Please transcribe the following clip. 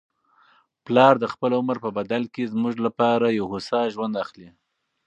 پلار د خپل عمر په بدل کي زموږ لپاره یو هوسا ژوند اخلي.